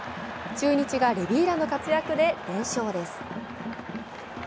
中日がレビーラの活躍で連勝です。